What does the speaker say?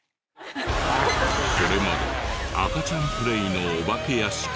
これまで赤ちゃんプレイのお化け屋敷や。